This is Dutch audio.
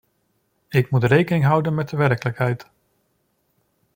Ik moet rekening houden met de werkelijkheid.